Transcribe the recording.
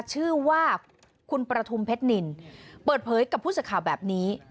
ชื่อว่าคุณประทุมเพชรนินเปิดเผยกับผู้สื่อข่าวแบบนี้